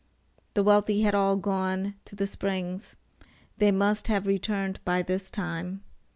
The wealthy had all gone to the springs. They must have returned by this time.